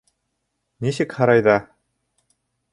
Нисек һарайҙа?